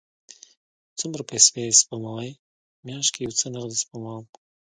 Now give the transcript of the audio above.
څومره پیسی سپموئ؟ میاشت کې یو څه نغدي سپموم